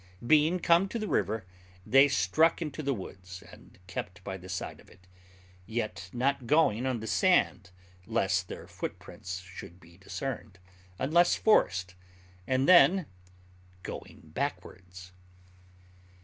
Being come to the river, they struck into the woods, and kept by the side of it; yet not going on the sand (lest their footsteps should be discerned), unless forced, and then going backwards.